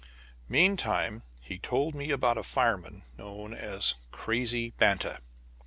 Meantime, he told me about a fireman known as "Crazy" Banta.